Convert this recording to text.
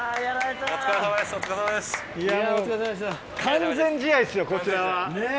完全試合ですよこちらは。